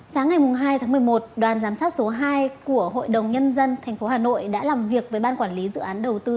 sáng ngày hai tháng một mươi một đoàn giám sát số hai của hội đồng nhân dân tp hà nội đã làm việc với ban quản lý dự án đầu tư